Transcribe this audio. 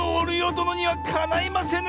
どのにはかないませぬ！